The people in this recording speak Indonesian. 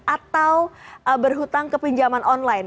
atau berhutang ke pinjaman online